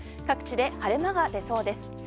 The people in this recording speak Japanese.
各地で晴れ間が出そうです。